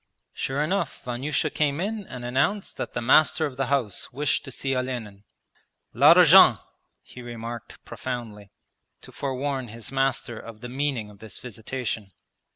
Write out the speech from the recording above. Sure enough Vanyusha came in and announced that the master of the house wished to see Olenin. 'L'arjan!' he remarked profoundly, to forewarn his master of the meaning of this visitation.